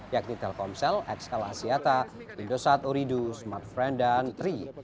yakni telkomsel xl asiata indosat oridu smartfriend dan tri